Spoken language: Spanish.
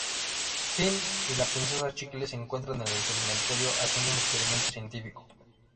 Finn y la Princesa Chicle se encuentran en el Cementerio haciendo un experimento científico.